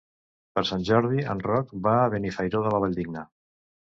Per Sant Jordi en Roc va a Benifairó de la Valldigna.